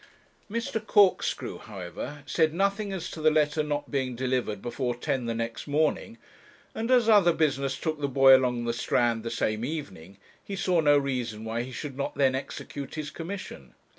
Mr. Corkscrew, however, said nothing as to the letter not being delivered before ten the next morning, and as other business took the boy along the Strand the same evening, he saw no reason why he should not then execute his commission.